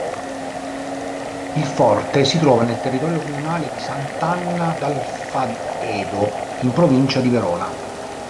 Il forte si trova nel territorio comunale di Sant'Anna d'Alfaedo, in provincia di Verona.